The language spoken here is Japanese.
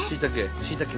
しいたけ。